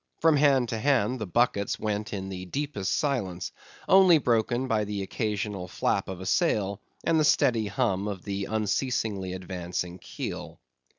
From hand to hand, the buckets went in the deepest silence, only broken by the occasional flap of a sail, and the steady hum of the unceasingly advancing keel.